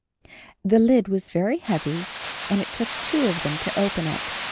The lid was very heavy and it took two of them to open it.